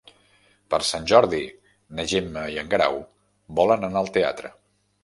Per Sant Jordi na Gemma i en Guerau volen anar al teatre.